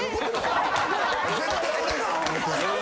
絶対俺や思て。